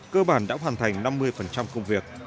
cơ bản đã hoàn thành năm mươi công việc